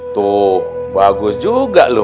tuh bagus juga lu